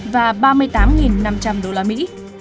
và ba mươi tám năm trăm linh đô la mỹ